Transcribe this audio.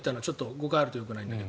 誤解があるとよくないんだけど。